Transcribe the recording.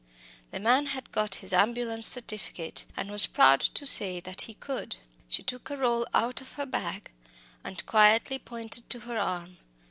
The man had got his ambulance certificate, and was proud to say that he could. She took a roll out of her bag, and quietly pointed to her arm.